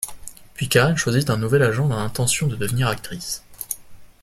Puis Karen choisit un nouvel agent dans l’intention de devenir actrice.